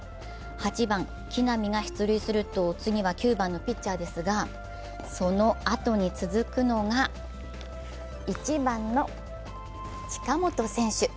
８番・木浪が出塁すると次は９番のピッチャーですが、そのあとに続くのが１番の近本選手。